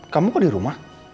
kamu kok di rumah